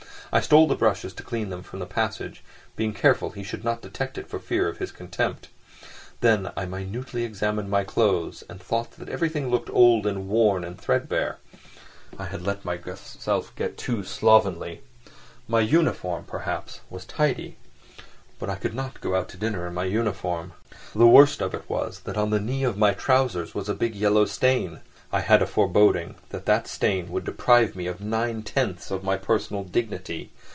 I stole the brushes to clean them from the passage, being careful he should not detect it, for fear of his contempt. Then I minutely examined my clothes and thought that everything looked old, worn and threadbare. I had let myself get too slovenly. My uniform, perhaps, was tidy, but I could not go out to dinner in my uniform. The worst of it was that on the knee of my trousers was a big yellow stain. I had a foreboding that that stain would deprive me of nine tenths of my personal dignity.